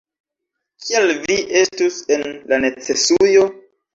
Kial vi estus en la necesujo?